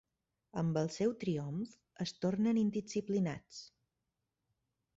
Amb el seu triomf, es tornen indisciplinats.